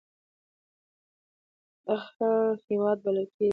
کیرالا د خدای خپل هیواد بلل کیږي.